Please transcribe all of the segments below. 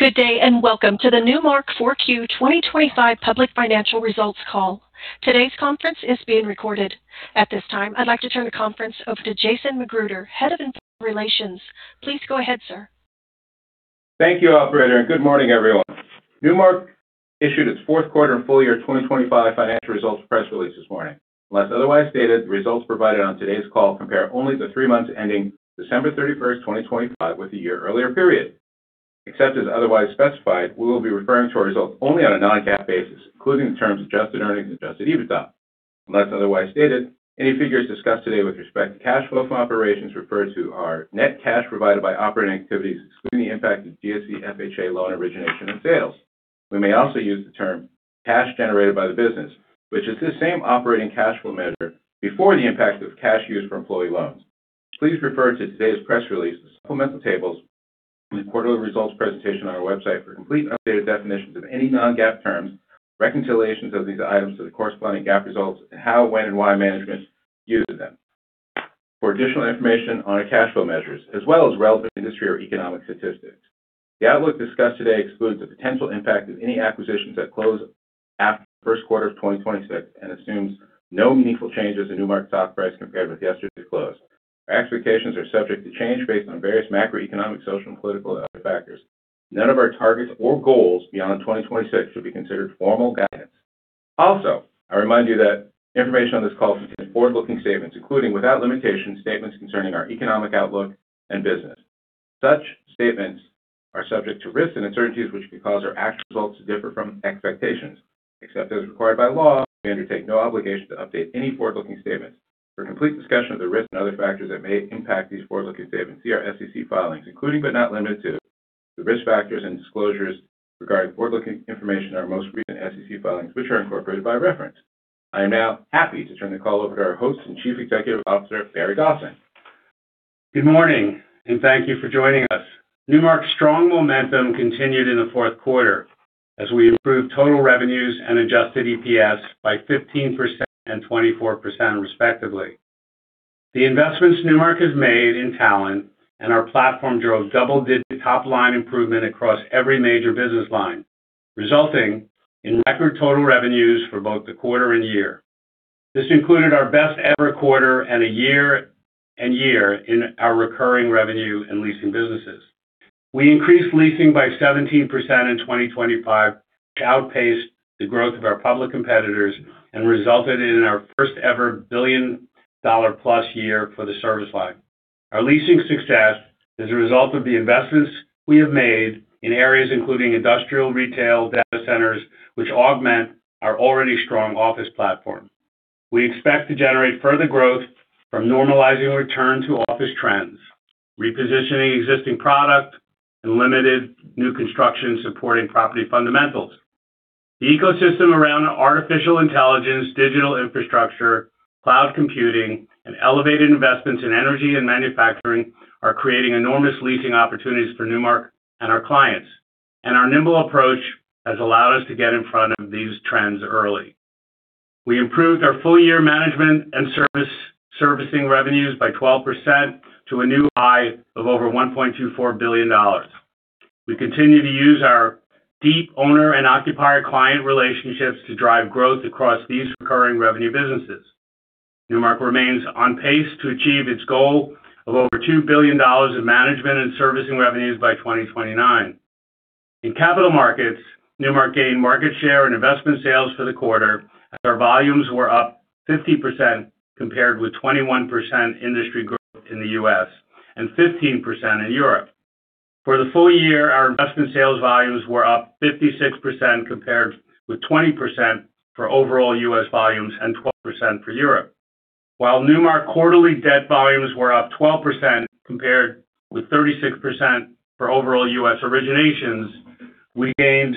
Good day, and welcome to the Newmark 4Q 2025 public financial results call. Today's conference is being recorded. At this time, I'd like to turn the conference over to Jason McGruder, Head of Investor Relations. Please go ahead, sir. Thank you, operator, and good morning, everyone. Newmark issued its fourth quarter and full year 2025 financial results press release this morning. Unless otherwise stated, the results provided on today's call compare only the three months ending December 31st, 2025, with the year earlier period. Except as otherwise specified, we will be referring to our results only on a non-GAAP basis, including the terms Adjusted Earnings and Adjusted EBITDA. Unless otherwise stated, any figures discussed today with respect to cash flow from operations referred to are net cash provided by operating activities, excluding the impact of GSE FHA loan origination and sales. We may also use the term cash generated by the business, which is the same operating cash flow measure before the impact of cash used for employee loans. Please refer to today's press release, the supplemental tables, and the quarterly results presentation on our website for complete and updated definitions of any non-GAAP terms, reconciliations of these items to the corresponding GAAP results, and how, when, and why management uses them. For additional information on our cash flow measures, as well as relevant industry or economic statistics. The outlook discussed today excludes the potential impact of any acquisitions that close after the first quarter of 2026 and assumes no meaningful changes in Newmark's stock price compared with yesterday's close. Our expectations are subject to change based on various macroeconomic, social, and political factors. None of our targets or goals beyond 2026 should be considered formal guidance. I remind you that information on this call contains forward-looking statements, including, without limitation, statements concerning our economic outlook and business. Such statements are subject to risks and uncertainties, which could cause our actual results to differ from expectations. Except as required by law, we undertake no obligation to update any forward-looking statements. For a complete discussion of the risks and other factors that may impact these forward-looking statements, see our SEC filings, including, but not limited to, the risk factors and disclosures regarding forward-looking information in our most recent SEC filings, which are incorporated by reference. I am now happy to turn the call over to our host and Chief Executive Officer, Barry Gosin. Good morning. Thank you for joining us. Newmark's strong momentum continued in the fourth quarter as we improved total revenues and Adjusted EPS by 15% and 24%, respectively. The investments Newmark has made in talent and our platform drove double-digit top-line improvement across every major business line, resulting in record total revenues for both the quarter and year. This included our best ever quarter and a year in our recurring revenue and leasing businesses. We increased leasing by 17% in 2025, which outpaced the growth of our public competitors and resulted in our first-ever $1 billion-plus year for the service line. Our leasing success is a result of the investments we have made in areas including industrial, retail, data centers, which augment our already strong office platform. We expect to generate further growth from normalizing return to office trends, repositioning existing product and limited new construction, supporting property fundamentals. The ecosystem around artificial intelligence, digital infrastructure, cloud computing, and elevated investments in energy and manufacturing are creating enormous leasing opportunities for Newmark and our clients. Our nimble approach has allowed us to get in front of these trends early. We improved our full-year management and servicing revenues by 12% to a new high of over $1.24 billion. We continue to use our deep owner and occupier client relationships to drive growth across these recurring revenue businesses. Newmark remains on pace to achieve its goal of over $2 billion in management and servicing revenues by 2029. In capital markets, Newmark gained market share and investment sales for the quarter, as our volumes were up 50%, compared with 21% industry growth in the U.S. and 15% in Europe. For the full year, our investment sales volumes were up 56%, compared with 20% for overall U.S. volumes and 12% for Europe. While Newmark quarterly debt volumes were up 12%, compared with 36% for overall U.S. originations, we gained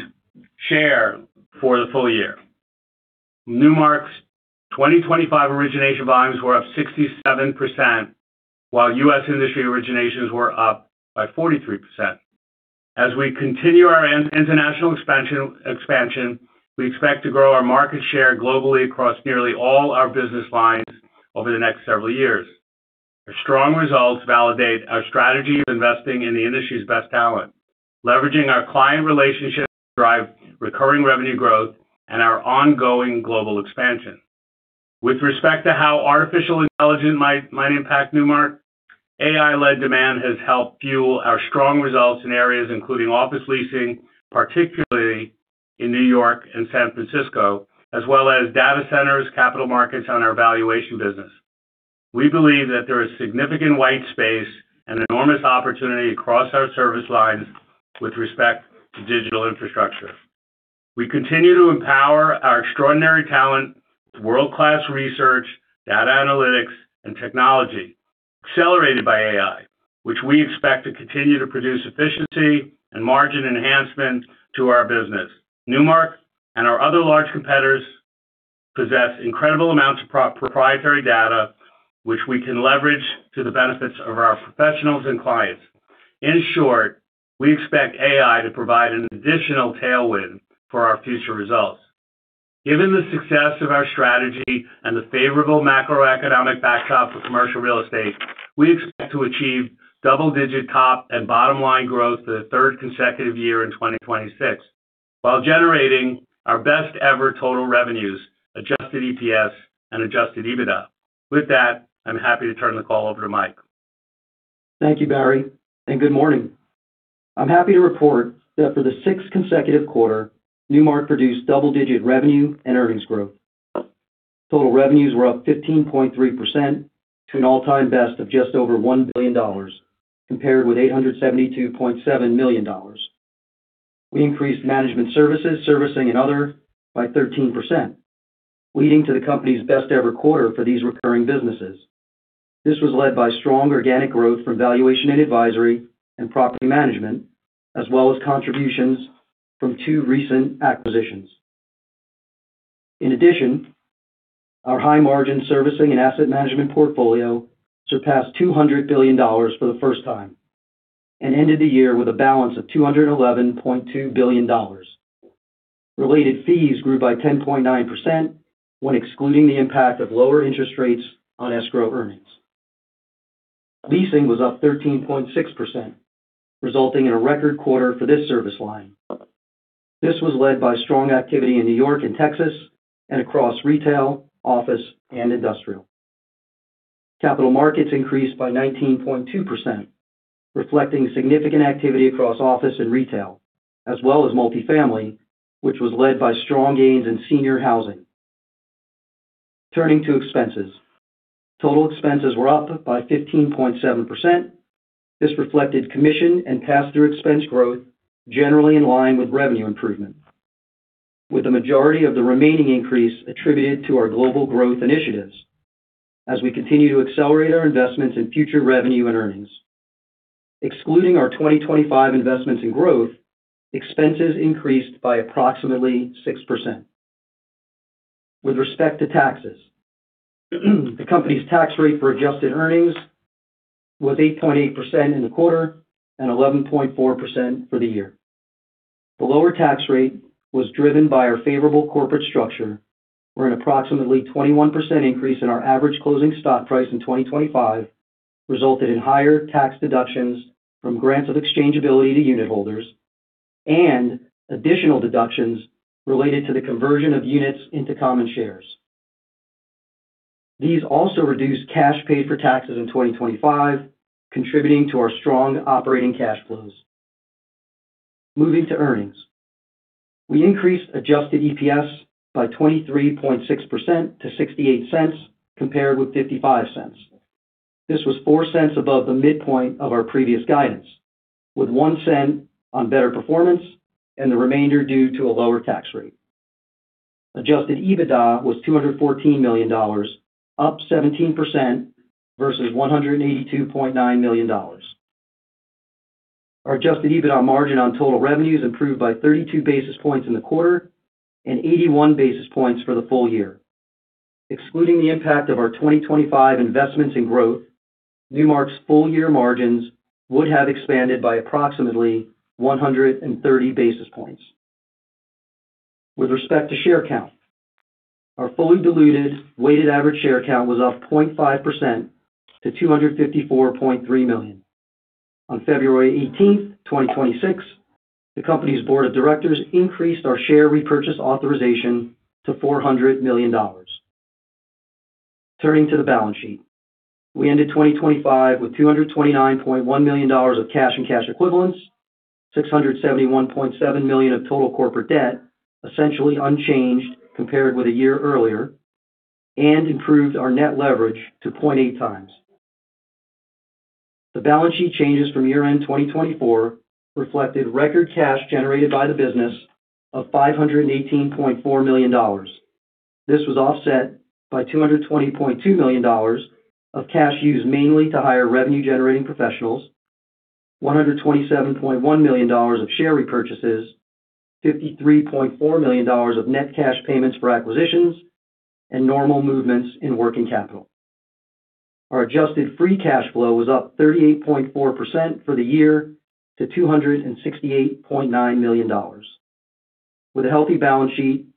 share for the full year. Newmark's 2025 origination volumes were up 67%, while U.S. industry originations were up by 43%. As we continue our international expansion, we expect to grow our market share globally across nearly all our business lines over the next several years. Our strong results validate our strategy of investing in the industry's best talent, leveraging our client relationships to drive recurring revenue growth and our ongoing global expansion. With respect to how artificial intelligence might impact Newmark, AI-led demand has helped fuel our strong results in areas including office leasing, particularly in New York and San Francisco, as well as data centers, capital markets, and our valuation business. We believe that there is significant white space and enormous opportunity across our service lines with respect to digital infrastructure. We continue to empower our extraordinary talent with world-class research, data analytics, and technology accelerated by AI, which we expect to continue to produce efficiency and margin enhancement to our business. Newmark and our other large competitors possess incredible amounts of proprietary data, which we can leverage to the benefits of our professionals and clients. In short, we expect AI to provide an additional tailwind for our future results. Given the success of our strategy and the favorable macroeconomic backdrop for commercial real estate, we expect to achieve double-digit top and bottom-line growth for the third consecutive year in 2026, while generating our best-ever total revenues, Adjusted EPS, and Adjusted EBITDA. With that, I'm happy to turn the call over to Mike. Thank you, Barry, and good morning. I'm happy to report that for the sixth consecutive quarter, Newmark produced double-digit revenue and earnings growth. Total revenues were up 15.3% to an all-time best of just over $1 billion, compared with $872.7 million. We increased management services, servicing, and other by 13%, leading to the company's best-ever quarter for these recurring businesses. This was led by strong organic growth from valuation and advisory and property management, as well as contributions from two recent acquisitions. In addition, our high-margin servicing and asset management portfolio surpassed $200 billion for the first time and ended the year with a balance of $211.2 billion. Related fees grew by 10.9% when excluding the impact of lower interest rates on escrow earnings. Leasing was up 13.6%, resulting in a record quarter for this service line. This was led by strong activity in New York and Texas and across retail, office, and industrial. Capital markets increased by 19.2%, reflecting significant activity across office and retail, as well as multifamily, which was led by strong gains in senior housing. Turning to expenses. Total expenses were up by 15.7%. This reflected commission and pass-through expense growth generally in line with revenue improvement, with the majority of the remaining increase attributed to our global growth initiatives as we continue to accelerate our investments in future revenue and earnings. Excluding our 2025 investments in growth, expenses increased by approximately 6%. With respect to taxes, the company's tax rate for Adjusted Earnings was 8.8% in the quarter and 11.4% for the year. The lower tax rate was driven by our favorable corporate structure, where an approximately 21% increase in our average closing stock price in 2025 resulted in higher tax deductions from grants of exchangeability to unitholders and additional deductions related to the conversion of units into common shares. These also reduced cash paid for taxes in 2025, contributing to our strong operating cash flows. Moving to earnings. We increased Adjusted EPS by 23.6% to $0.68, compared with $0.55. This was $0.04 above the midpoint of our previous guidance, with $0.01 on better performance and the remainder due to a lower tax rate. Adjusted EBITDA was $214 million, up 17% versus $182.9 million. Our Adjusted EBITDA margin on total revenues improved by 32 basis points in the quarter and 81 basis points for the full year. Excluding the impact of our 2025 investments in growth, Newmark's full-year margins would have expanded by approximately 130 basis points. With respect to share count, our fully diluted weighted average share count was up 0.5% to 254.3 million. On February 18th, 2026, the company's board of directors increased our share repurchase authorization to $400 million. Turning to the balance sheet. We ended 2025 with $229.1 million of cash and cash equivalents, $671.7 million of total corporate debt, essentially unchanged compared with a year earlier. Improved our net leverage to 0.8x. The balance sheet changes from year-end 2024 reflected record cash generated by the business of $518.4 million. This was offset by $220.2 million of cash used mainly to hire revenue-generating professionals, $127.1 million of share repurchases, $53.4 million of net cash payments for acquisitions, and normal movements in working capital. Our adjusted free cash flow was up 38.4% for the year to $268.9 million. With a healthy balance sheet,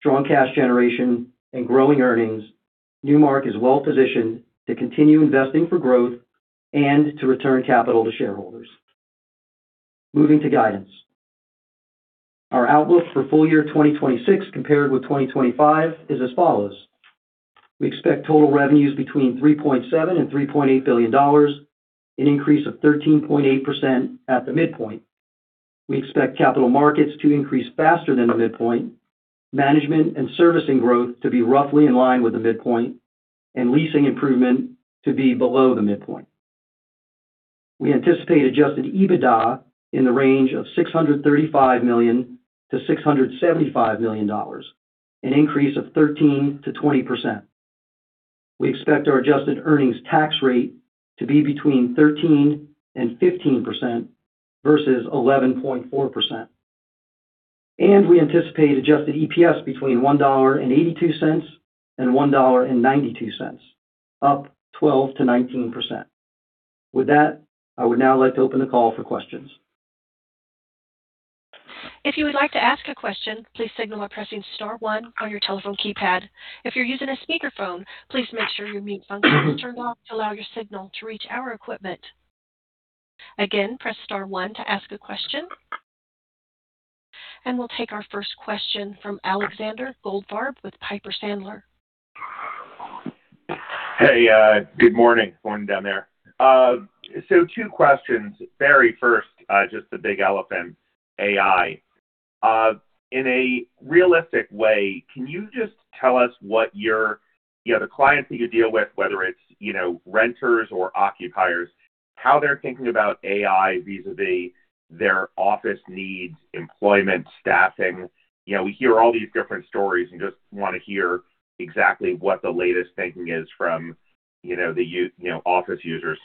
strong cash generation, and growing earnings, Newmark is well positioned to continue investing for growth and to return capital to shareholders. Moving to guidance. Our outlook for full year 2026, compared with 2025, is as follows: We expect total revenues between $3.7 billion and $3.8 billion, an increase of 13.8% at the midpoint. We expect capital markets to increase faster than the midpoint, management and servicing growth to be roughly in line with the midpoint, and leasing improvement to be below the midpoint. We anticipate Adjusted EBITDA in the range of $635 million-$675 million, an increase of 13%-20%. We expect our Adjusted Earnings Tax Rate to be between 13% and 15% versus 11.4%. We anticipate Adjusted EPS between $1.82 and $1.92, up 12%-19%. With that, I would now like to open the call for questions. If you would like to ask a question, please signal by pressing star one on your telephone keypad. If you're using a speakerphone, please make sure your mute function is turned off to allow your signal to reach our equipment. Again, press star one to ask a question. We'll take our first question from Alexander Goldfarb with Piper Sandler. Hey, good morning. Morning down there. Two questions. Very first, just the big elephant, AI. In a realistic way, can you just tell us what your, you know, the clients that you deal with, whether it's, you know, renters or occupiers, how they're thinking about AI vis-à-vis their office needs, employment, staffing? You know, we hear all these different stories and just wanna hear exactly what the latest thinking is from, you know, office users.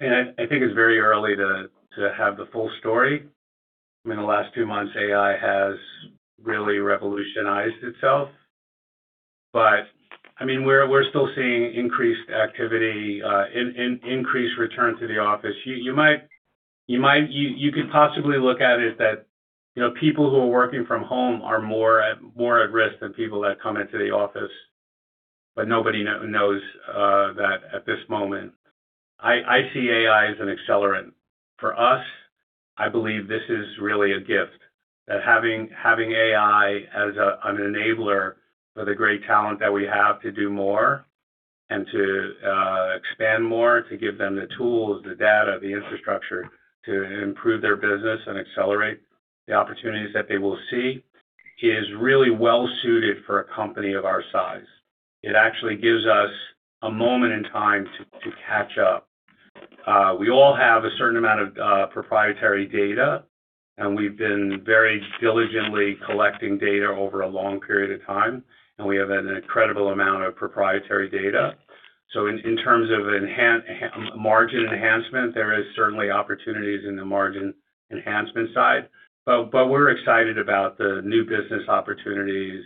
I think it's very early to have the full story. I mean, the last two months, AI has really revolutionized itself. I mean, we're still seeing increased activity, in increased return to the office. You could possibly look at it that, you know, people who are working from home are more at risk than people that come into the office, but nobody knows that at this moment. I see AI as an accelerant. For us, I believe this is really a gift, that having AI as an enabler of the great talent that we have to do more and to expand more, to give them the tools, the data, the infrastructure to improve their business and accelerate the opportunities that they will see, is really well suited for a company of our size. It actually gives us a moment in time to catch up. We all have a certain amount of proprietary data, and we've been very diligently collecting data over a long period of time, and we have an incredible amount of proprietary data. In terms of margin enhancement, there is certainly opportunities in the margin enhancement side. We're excited about the new business opportunities,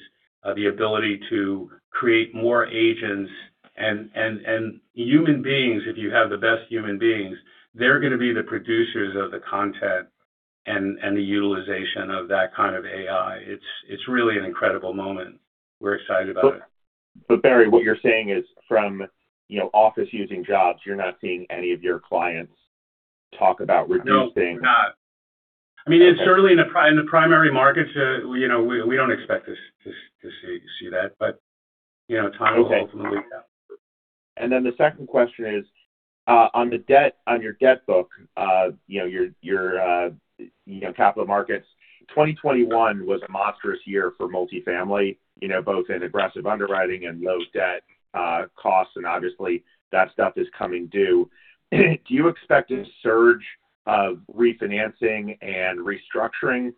the ability to create more agents and human beings, if you have the best human beings, they're gonna be the producers of the content and the utilization of that kind of AI. It's really an incredible moment. We're excited about it. Barry, what you're saying is from, you know, office using jobs, you're not seeing any of your clients talk about reducing- No, we're not. Okay. I mean, it's certainly in the primary markets, you know, we don't expect to see that. You know, time will ultimately tell. Then the second question is, on the debt, on your debt book, you know, your, you know, capital markets, 2021 was a monstrous year for multifamily, you know, both in aggressive underwriting and low debt, costs, and obviously, that stuff is coming due. Do you expect a surge of refinancing and restructuring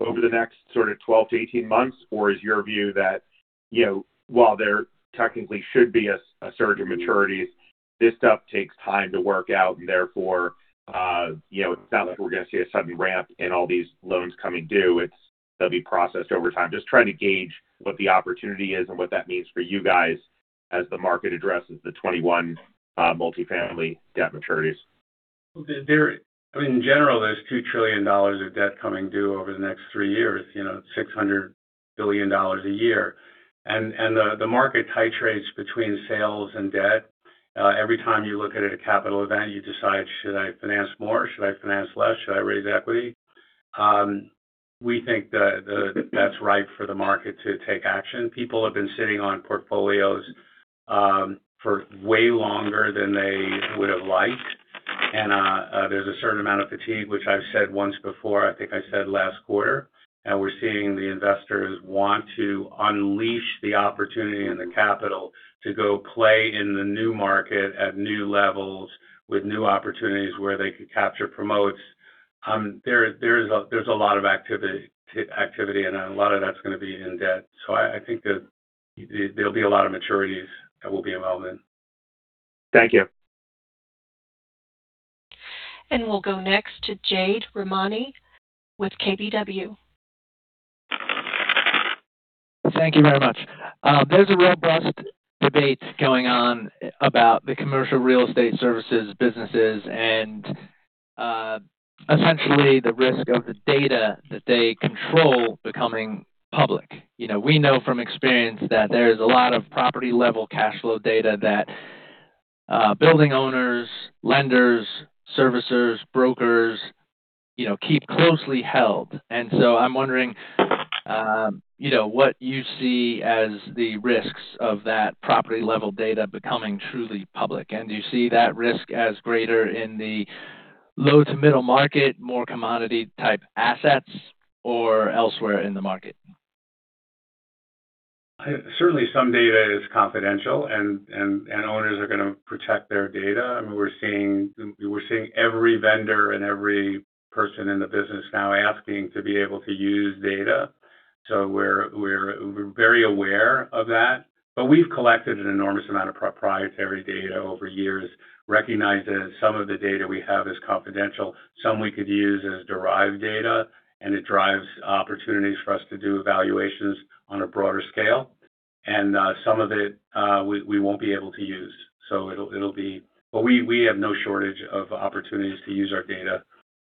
over the next sort of 12-18 months? Or is your view that, you know, while there technically should be a surge in maturities, this stuff takes time to work out, and therefore, you know, it's not like we're going to see a sudden ramp in all these loans coming due, they'll be processed over time. Just trying to gauge what the opportunity is and what that means for you guys as the market addresses the 21, multifamily debt maturities. There, I mean, in general, there's $2 trillion of debt coming due over the next three years, you know, $600 billion a year. The market titrates between sales and debt. Every time you look at a capital event, you decide, should I finance more? Should I finance less? Should I raise equity? We think that that's ripe for the market to take action. People have been sitting on portfolios for way longer than they would have liked, and there's a certain amount of fatigue, which I've said once before, I think I said last quarter. We're seeing the investors want to unleash the opportunity and the capital to go play in the new market at new levels with new opportunities where they could capture promotes. There's a lot of activity, and a lot of that's gonna be in debt. I think that there'll be a lot of maturities that we'll be involved in. Thank you. We'll go next to Jade Rahmani with KBW. Thank you very much. There's a robust debate going on about the commercial real estate services, businesses, and, essentially, the risk of the data that they control becoming public. You know, we know from experience that there's a lot of property-level cash flow data that, building owners, lenders, servicers, brokers, you know, keep closely held. I'm wondering, you know, what you see as the risks of that property-level data becoming truly public. Do you see that risk as greater in the low to middle market, more commodity-type assets, or elsewhere in the market? Certainly, some data is confidential, and owners are going to protect their data. I mean, we're seeing every vendor and every person in the business now asking to be able to use data. We're very aware of that. We've collected an enormous amount of proprietary data over years, recognizing some of the data we have is confidential, some we could use as derived data, and it drives opportunities for us to do evaluations on a broader scale, and some of it we won't be able to use. It'll, but we have no shortage of opportunities to use our data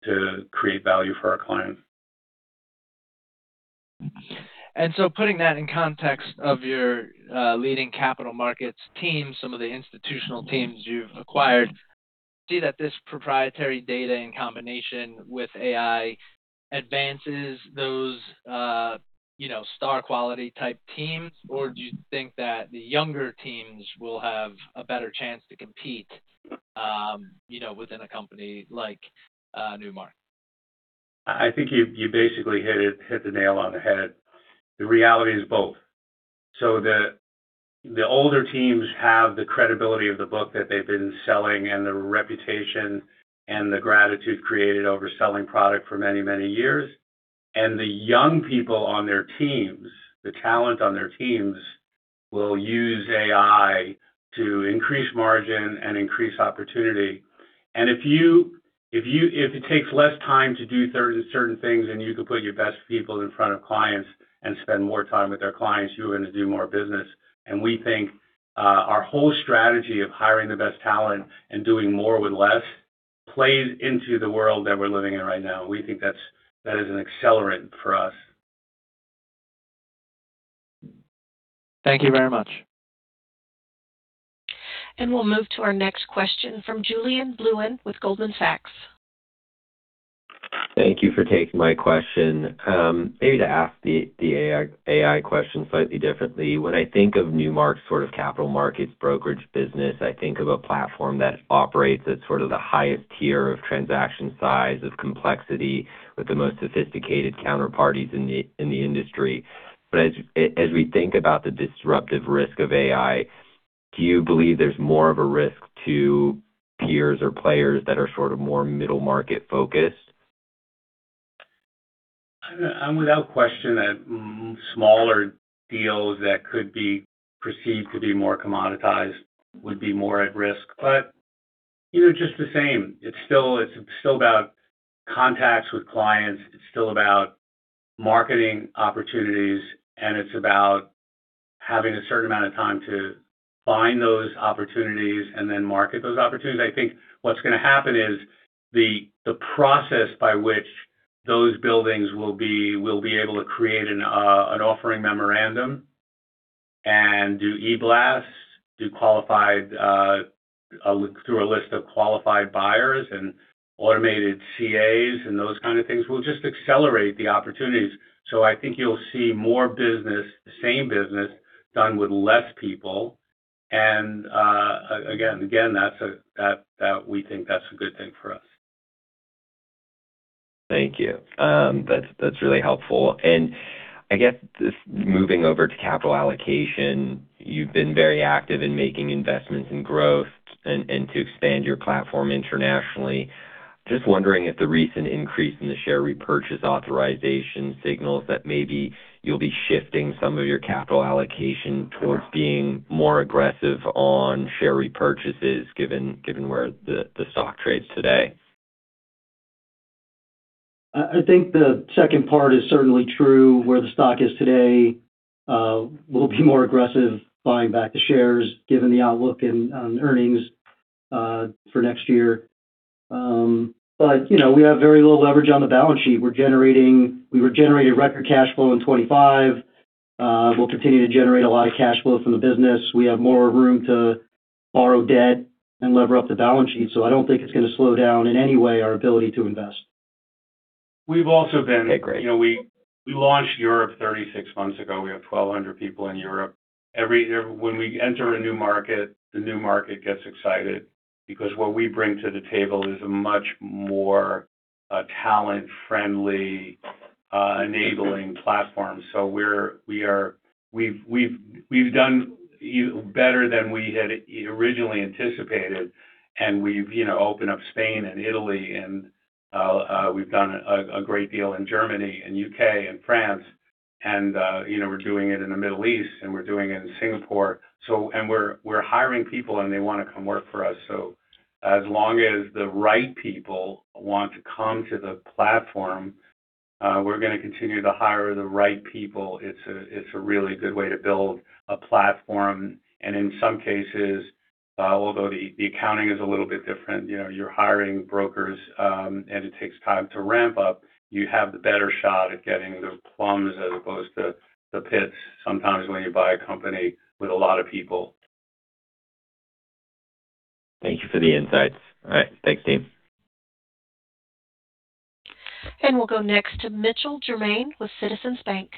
to create value for our clients. Putting that in context of your leading capital markets team, some of the institutional teams you've acquired, do you see that this proprietary data in combination with AI advances those, you know, star quality type teams? Do you think that the younger teams will have a better chance to compete, you know, within a company like Newmark? I think you basically hit the nail on the head. The reality is both. The older teams have the credibility of the book that they've been selling and the reputation and the gratitude created over selling product for many, many years. The young people on their teams, the talent on their teams, will use AI to increase margin and increase opportunity. If it takes less time to do certain things, and you can put your best people in front of clients and spend more time with their clients, you're going to do more business. We think our whole strategy of hiring the best talent and doing more with less plays into the world that we're living in right now. We think that's, that is an accelerant for us. Thank you very much. We'll move to our next question from Julien Blouin with Goldman Sachs. Thank you for taking my question. Maybe to ask the AI question slightly differently. When I think of Newmark's sort of capital markets brokerage business, I think of a platform that operates at sort of the highest tier of transaction size, of complexity, with the most sophisticated counterparties in the industry. As we think about the disruptive risk of AI, do you believe there's more of a risk to peers or players that are sort of more middle-market focused? I'm without question that smaller deals that could be perceived to be more commoditized would be more at risk. You know, just the same, it's still about contacts with clients. It's still about marketing opportunities, and it's about having a certain amount of time to find those opportunities and then market those opportunities. I think what's going to happen is the process by which those buildings will be able to create an offering memorandum and do e-blasts, do qualified through a list of qualified buyers and automated CAs and those kind of things, will just accelerate the opportunities. I think you'll see more business, the same business, done with less people. Again, that's a that we think that's a good thing for us. Thank you. That's really helpful. I guess just moving over to capital allocation, you've been very active in making investments in growth and to expand your platform internationally. Just wondering if the recent increase in the share repurchase authorization signals that maybe you'll be shifting some of your capital allocation towards being more aggressive on share repurchases, given where the stock trades today. I think the second part is certainly true, where the stock is today. We'll be more aggressive buying back the shares given the outlook in, on earnings, for next year. You know, we have very little leverage on the balance sheet. We were generating record cash flow in 2025. We'll continue to generate a lot of cash flow from the business. We have more room to borrow debt and lever up the balance sheet, so I don't think it's going to slow down in any way, our ability to invest. We've also Okay, great. You know, we launched Europe 36 months ago. We have 1,200 people in Europe. Every year, when we enter a new market, the new market gets excited because what we bring to the table is a much more talent-friendly enabling platform. We are, we've done better than we had originally anticipated, and we've, you know, opened up Spain and Italy, and we've done a great deal in Germany and UK and France, and, you know, we're doing it in the Middle East, and we're doing it in Singapore. We're hiring people, and they want to come work for us. As long as the right people want to come to the platform, we're going to continue to hire the right people. It's a really good way to build a platform. In some cases, although the accounting is a little bit different, you know, you're hiring brokers, and it takes time to ramp up, you have the better shot at getting the plums as opposed to the pits sometimes when you buy a company with a lot of people. Thank you for the insights. All right. Thanks, team. We'll go next to Mitch Germain with Citizens Bank.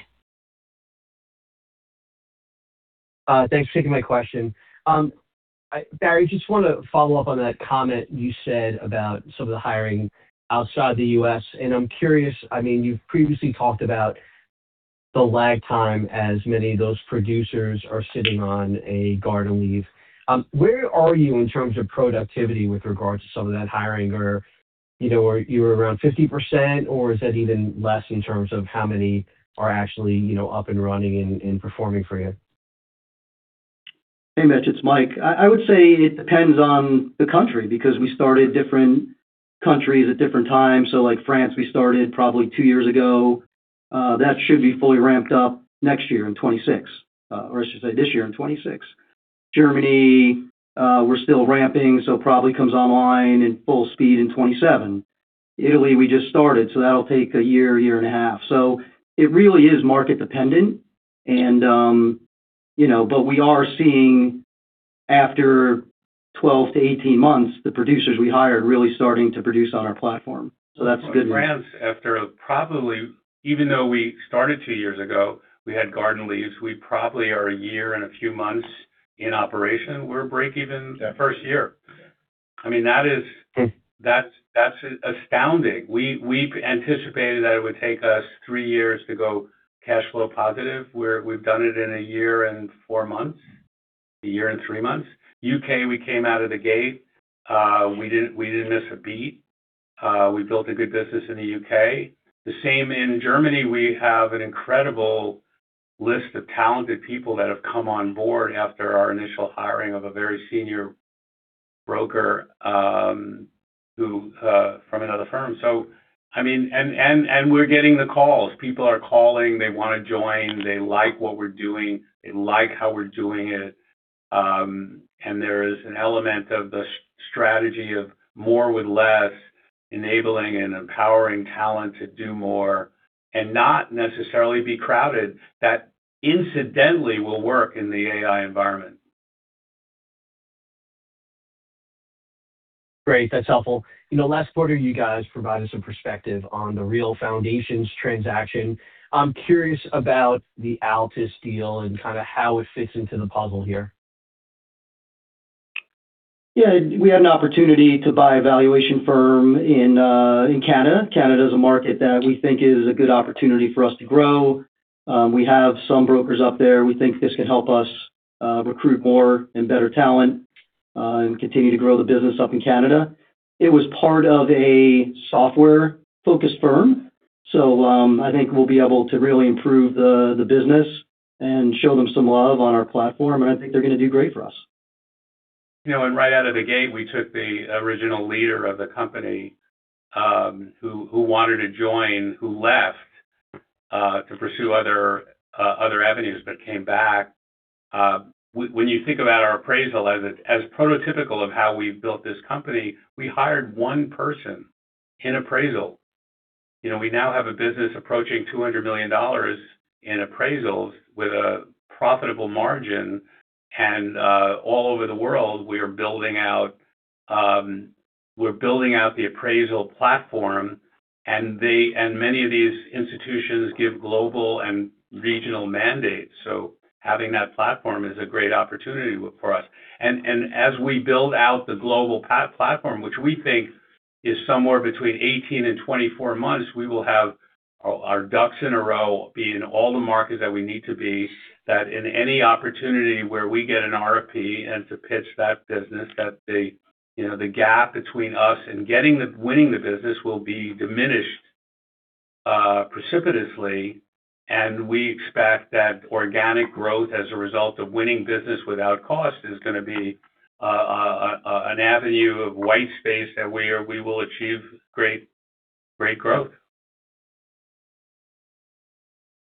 Thanks for taking my question. I, Barry, just want to follow up on that comment you said about some of the hiring outside the US. I'm curious, you've previously talked about the lag time as many of those producers are sitting on a garden leave. Where are you in terms of productivity with regard to some of that hiring? Are you around 50%, or is that even less in terms of how many are up and running and performing for you? Hey, Mitch, it's Mike. I would say it depends on the country because we started different countries at different times. Like France, we started probably two years ago. That should be fully ramped up next year in 2026, or I should say this year in 2026. Germany, we're still ramping, probably comes online in full speed in 2027. Italy, we just started, that'll take a year and a half. It really is market dependent. You know, we are seeing after 12-18 months, the producers we hired really starting to produce on our platform. That's good news. France, after probably, even though we started two years ago, we had garden leaves. We probably are a year and a few months in operation. We're break even. Yeah -the first year. I mean. Hmm That's astounding. We anticipated that it would take us three years to go cash flow positive, where we've done it in one year and four months, one year and three months. UK, we came out of the gate, we didn't miss a beat. We built a good business in the UK. The same in Germany. We have an incredible list of talented people that have come on board after our initial hiring of a very senior broker, who from another firm. I mean, we're getting the calls. People are calling. They want to join. They like what we're doing. They like how we're doing it. There is an element of the strategy of more with less, enabling and empowering talent to do more and not necessarily be crowded, that incidentally will work in the AI environment. Great. That's helpful. You know, last quarter, you guys provided some perspective on the RealFoundations transaction. I'm curious about the Altus deal and kind of how it fits into the puzzle here. Yeah, we had an opportunity to buy a valuation firm in Canada. Canada is a market that we think is a good opportunity for us to grow. We have some brokers up there. We think this can help us recruit more and better talent and continue to grow the business up in Canada. It was part of a software-focused firm, so I think we'll be able to really improve the business and show them some love on our platform, and I think they're going to do great for us. You know, right out of the gate, we took the original leader of the company, who wanted to join, who left, to pursue other avenues, came back. When you think about our appraisal as prototypical of how we've built this company, we hired one person in appraisal. You know, we now have a business approaching $200 million in appraisals with a profitable margin, and all over the world, we are building out, we're building out the appraisal platform, and many of these institutions give global and regional mandates. Having that platform is a great opportunity for us. As we build out the global platform, which we think is somewhere between 18 and 24 months, we will have our ducks in a row, be in all the markets that we need to be, that in any opportunity where we get an RFP and to pitch that business, that the, you know, the gap between us and winning the business will be diminished precipitously. We expect that organic growth, as a result of winning business without cost, is gonna be an avenue of white space that we will achieve great growth.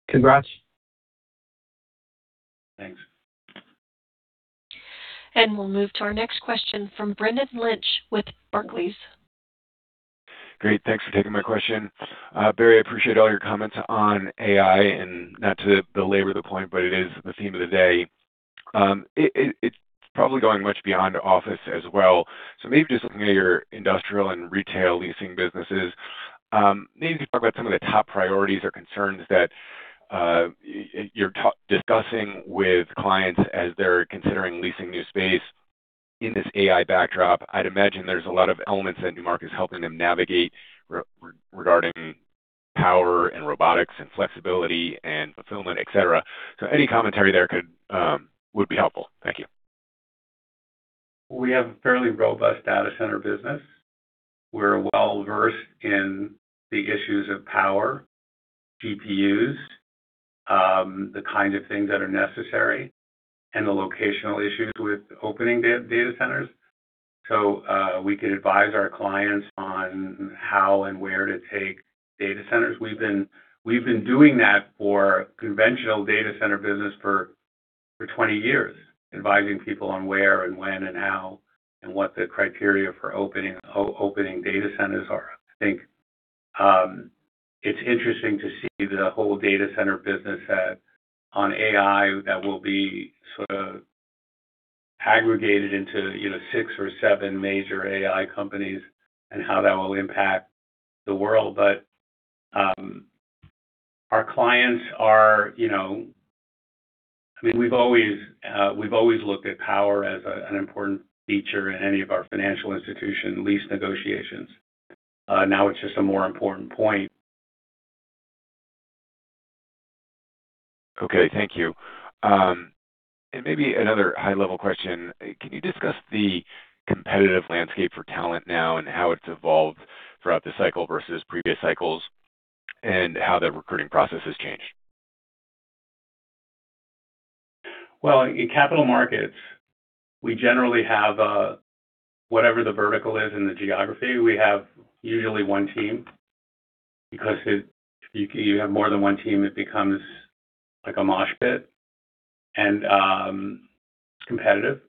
Congrats. Thanks. We'll move to our next question from Brendan Lynch with Barclays. Great. Thanks for taking my question. Barry, I appreciate all your comments on AI, and not to belabor the point, but it is the theme of the day. it's probably going much beyond office as well. Maybe just looking at your industrial and retail leasing businesses, maybe talk about some of the top priorities or concerns that you're discussing with clients as they're considering leasing new space in this AI backdrop. I'd imagine there's a lot of elements that Newmark is helping them navigate regarding power and robotics and flexibility and fulfillment, et cetera. Any commentary there could would be helpful. Thank you. We have a fairly robust data center business. We're well-versed in the issues of power, GPUs, the kind of things that are necessary, and the locational issues with opening data centers. We could advise our clients on how and where to take data centers. We've been doing that for conventional data center business for 20 years, advising people on where and when and how and what the criteria for opening data centers are. I think, it's interesting to see the whole data center business as on AI that will be sort of aggregated into, you know, six or seven major AI companies and how that will impact the world. Our clients are, you know. I mean, we've always looked at power as an important feature in any of our financial institution lease negotiations. Now it's just a more important point. Okay. Thank you. Maybe another high-level question. Can you discuss the competitive landscape for talent now and how it's evolved throughout the cycle versus previous cycles and how the recruiting process has changed? Well, in capital markets, we generally have, whatever the vertical is in the geography, we have usually one team, because if you have more than one team, it becomes like a mosh pit and competitive.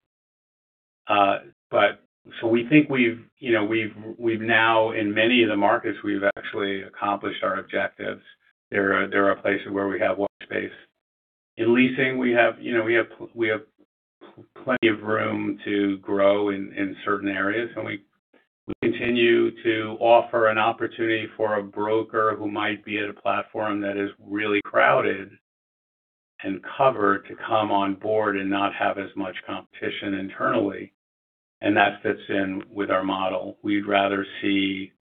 We think we've, you know, we've now, in many of the markets, we've actually accomplished our objectives. There are places where we have one space. In leasing, we have, you know, we have plenty of room to grow in certain areas, and we continue to offer an opportunity for a broker who might be at a platform that is really crowded and covered, to come on board and not have as much competition internally, and that fits in with our model. We'd rather see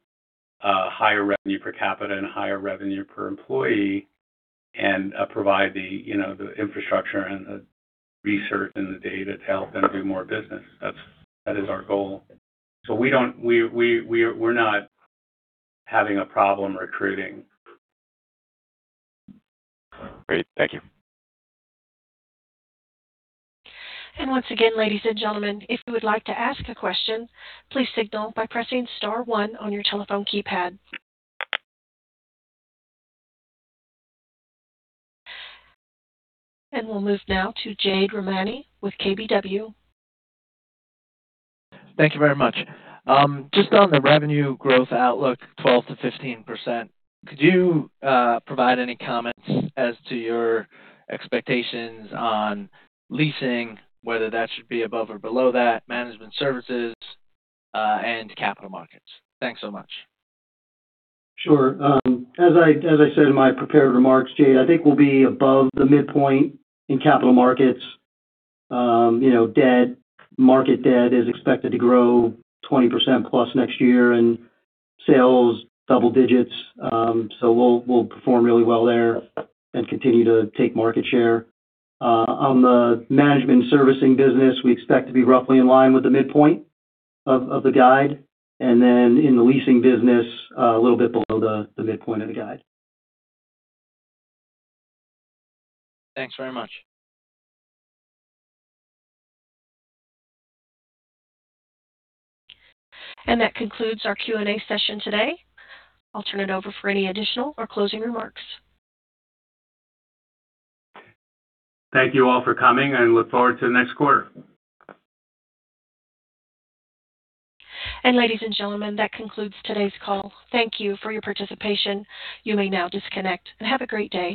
a higher revenue per capita and higher revenue per employee and provide the, you know, the infrastructure and the research and the data to help them do more business. That is our goal. We're not having a problem recruiting. Great. Thank you. Once again, ladies and gentlemen, if you would like to ask a question, please signal by pressing star one on your telephone keypad. We'll move now to Jade Rahmani with KBW. Thank you very much. Just on the revenue growth outlook, 12%-15%, could you provide any comments as to your expectations on leasing, whether that should be above or below that, management services, and capital markets? Thanks so much. Sure. As I said in my prepared remarks, Jade, I think we'll be above the midpoint in capital markets. You know, debt, market debt is expected to grow 20% plus next year, and sales, double digits. We'll perform really well there and continue to take market share. On the management servicing business, we expect to be roughly in line with the midpoint of the guide, then in the leasing business, a little bit below the midpoint of the guide. Thanks very much. That concludes our Q&A session today. I'll turn it over for any additional or closing remarks. Thank you all for coming, and I look forward to the next quarter. Ladies and gentlemen, that concludes today's call. Thank you for your participation. You may now disconnect and have a great day.